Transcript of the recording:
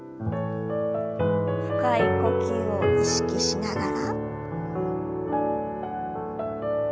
深い呼吸を意識しながら。